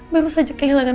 baru saja kehilangan